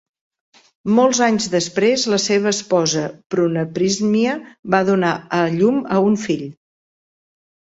Molts anys després la seva esposa, Prunaprismia, va donar a llum a un fill.